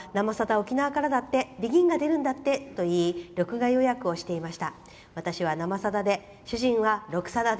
沖縄からだってＢＥＧＩＮが出るんだって！と言い録画予約をしていました。